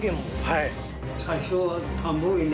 はい。